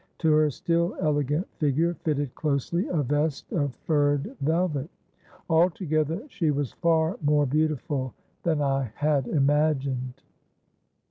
To her still elegant figure fitted closely a vest of furred velvet. Altogether she was far more beautiful than I had imagined.